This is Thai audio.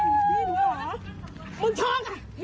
ผู้ดีกับมึงมาตลอด